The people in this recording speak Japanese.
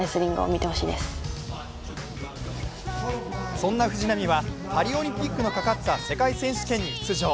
そんな藤波はパリオリンピックのかかった世界選手権に出場。